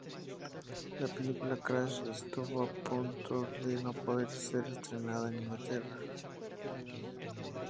La película "Crash" estuvo a punto de no poder ser estrenada en Inglaterra.